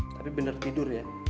tapi bener tidur ya